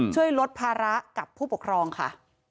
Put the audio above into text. ช่วยลดภาระกับผู้ปกครองค่ะ